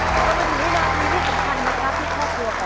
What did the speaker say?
สวัสดีครับสวัสดีครับ